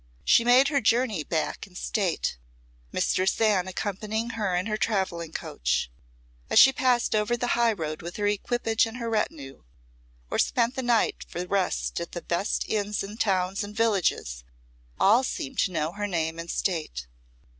She made her journey back in state, Mistress Anne accompanying her in her travelling coach. As she passed over the highroad with her equipage and her retinue, or spent the night for rest at the best inns in the towns and villages, all seemed to know her name and state.